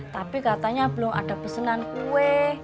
tapi katanya belum ada pesanan kue